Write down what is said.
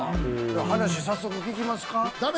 話早速聞きますか？